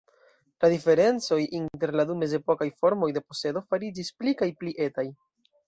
La diferencoj inter la du mezepokaj formoj de posedo fariĝis pli kaj pli etaj.